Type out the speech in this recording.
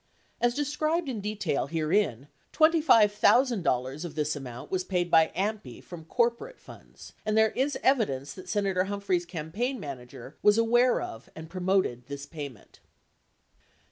As described in detail herein, $25,000 of this amount was paid by AMPI from corporate funds and there is evidence that Senator Humphrey's campaign manager was aware of and pro moted this payment.